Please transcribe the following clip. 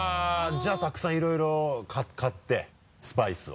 じゃあたくさんいろいろ買ってスパイスを。